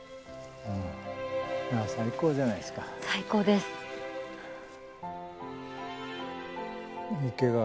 最高じゃないですか。